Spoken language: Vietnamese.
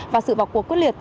và sự vọc cuộc quyết liệt